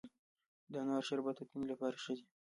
د انارو شربت د تندې لپاره ښه دی.